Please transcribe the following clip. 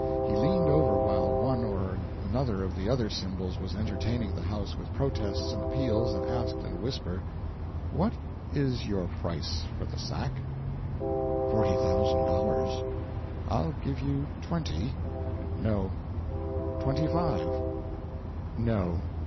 He leaned over while one or another of the other Symbols was entertaining the house with protests and appeals, and asked, in a whisper, "What is your price for the sack?" "Forty thousand dollars." "I'll give you twenty." "No." "Twenty five." "No."